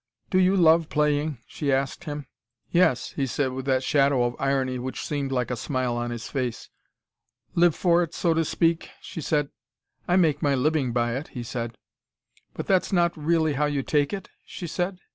"Do you love playing?" she asked him. "Yes," he said, with that shadow of irony which seemed like a smile on his face. "Live for it, so to speak," she said. "I make my living by it," he said. "But that's not really how you take it?" she said.